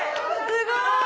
すごい！